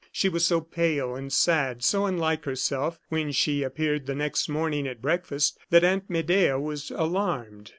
She was so pale and sad, so unlike herself when she appeared the next morning at breakfast, that Aunt Medea was alarmed.